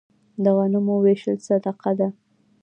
د غنمو ویشل صدقه ده.